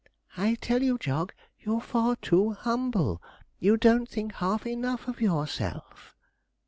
'I tell you, Jog, you're far too humble, you don't think half enough of yourself.'